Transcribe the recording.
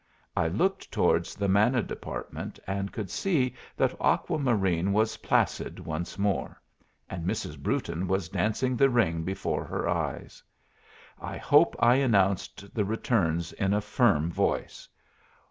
I looked towards the Manna Department, and could see that Aqua Marine was placid once more, and Mrs. Brewton was dancing the ring before her eyes. I hope I announced the returns in a firm voice.